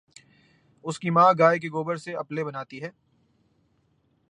اس کی ماں گائےکے گوبر سے اپلے بناتی ہے